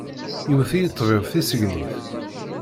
Iwet-iyi ṭṭbib tissegnit.